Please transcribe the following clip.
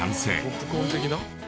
ポップコーン的な？